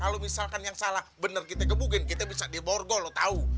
kalo misalkan yang salah bener kita ngebukin kita bisa di borgo lo tau